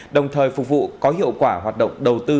đồng thời phục vụ có hiệu quả hoạt động đầu tư